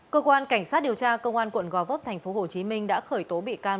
cơ quan cảnh sát điều tra cơ quan quận gò vấp tp hcm đã khởi tố bị can